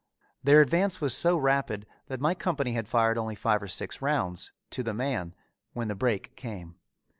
Their advance was so rapid that my company had fired only five or six rounds to the man when the break came.